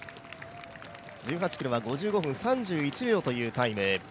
１８ｋｍは５５分３１秒というタイム。